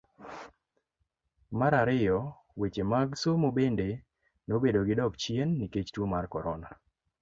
Mar ariyo, weche mag somo bende nobedo gi dok chien nikech tuo mar korona.